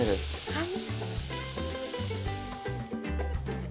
はい。